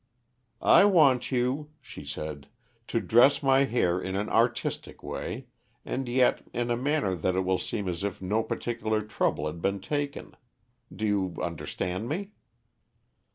"I want you," she said, "to dress my hair in an artistic way, and yet in a manner that it will seem as if no particular trouble had been taken. Do you understand me?"